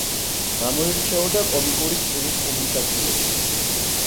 გამოირჩეოდა კომიკური სტილის პუბლიკაციებით.